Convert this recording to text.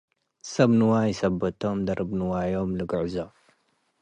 ሰብ ንዋይ ሰበት ቶም ደርብ ንዋዮም ልግዕዞ ።